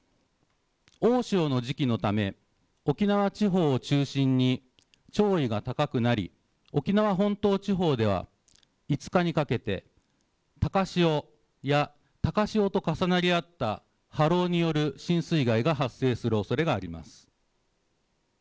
大潮の時期のため沖縄地方を中心に潮位が高くなり沖縄本島地方では５日にかけて高潮や高潮と重なり合った波浪による浸水被害が発生するおそれがあります。